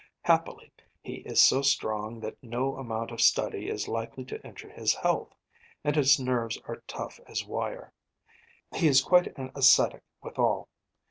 Happily he is so strong that no amount of study is likely to injure his health, and his nerves are tough as wire. He is quite an ascetic withal.